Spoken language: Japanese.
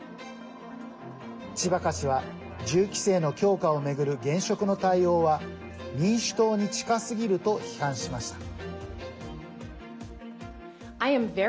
チバカ氏は銃規制の強化を巡る現職の対応は民主党に近すぎると批判しました。